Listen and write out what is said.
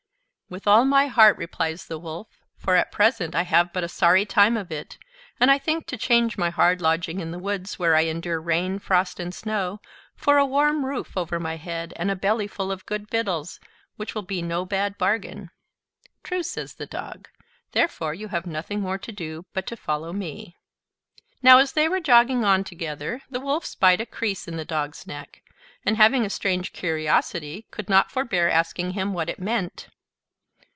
"With all my heart," replies the Wolf, "for at present I have but a sorry time of it; and I think to change my hard lodging in the woods, where I endure rain, frost, and snow, for a warm roof over my head, and a bellyful of good victuals, will be no bad bargain." "True," says the Dog; "therefore you have nothing more to do but to follow me." Now, as they were jogging on together, the Wolf spied a crease in the Dog's neck, and having a strange curiosity, could not forbear asking him what it meant.